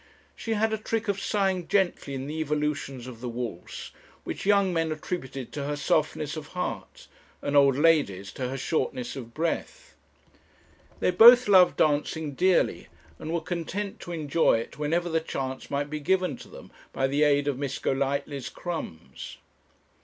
She had a trick of sighing gently in the evolutions of the waltz, which young men attributed to her softness of heart, and old ladies to her shortness of breath. They both loved dancing dearly, and were content to enjoy it whenever the chance might be given to them by the aid of Miss Golightly's crumbs.